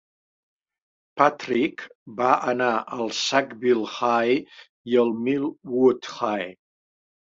Patrick va anar al Sackville High i al Millwood High.